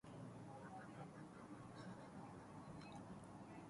در رژه پرچم را نیمافراشته کردن